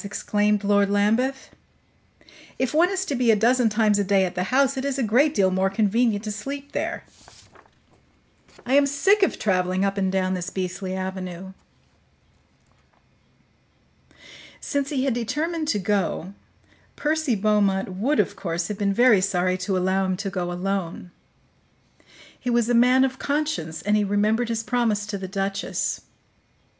exclaimed Lord Lambeth. "If one is to be a dozen times a day at the house, it is a great deal more convenient to sleep there. I am sick of traveling up and down this beastly avenue." Since he had determined to go, Percy Beaumont would, of course, have been very sorry to allow him to go alone; he was a man of conscience, and he remembered his promise to the duchess.